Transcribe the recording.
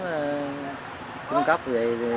nếu không cung cấp